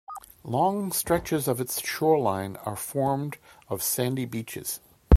Long stretches of its shoreline are formed of sandy beaches.